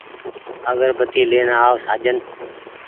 آگربتي لين آ و سآجن